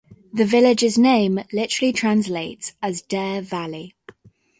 The village's name literally translates as "Dare Valley".